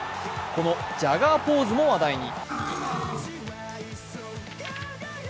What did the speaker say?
このジャガーポーズも話題に。